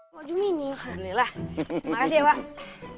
makasih ya pak